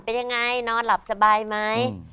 เป็นยังไงนอนหลับสบายไหม